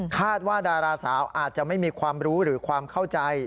ว่าดาราสาวอาจจะไม่มีความรู้หรือความเข้าใจ